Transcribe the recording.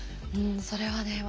それはね